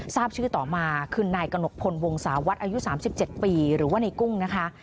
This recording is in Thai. ทราบชื่อต่อมาคือนายกระหนกพลวงศาวัดอายุ๓๗ปีหรือว่าในกุ้งนะคะ